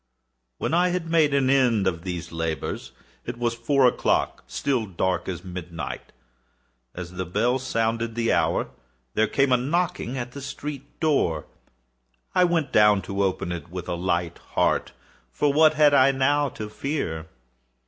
When I had made an end of these labors, it was four o'clock—still dark as midnight. As the bell sounded the hour, there came a knocking at the street door. I went down to open it with a light heart,—for what had I now to fear?